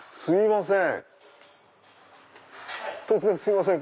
突然すいません